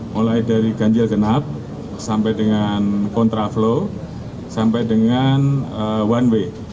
mulai dari ganjil genap sampai dengan kontraflow sampai dengan one way